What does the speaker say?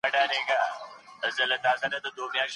هغه د رسول اکرم د عمه زوی دی.